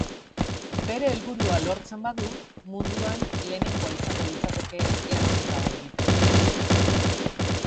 Bere helburua lortzen badu munduan lehenengoa izango litzateke erronka hau egiten.